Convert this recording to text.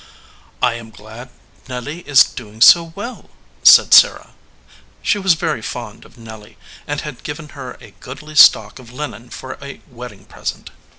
"I am glad Nelly is doing so well," said Sarah. She was very fond of Nelly, and had given her a goodly stock of linen for a wedding present.